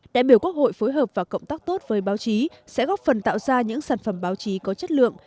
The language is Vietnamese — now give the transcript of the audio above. đại biểu quốc hội phối hợp và cộng tác tốt với báo chí sẽ góp phần tạo ra những sản phẩm báo chí có chất lượng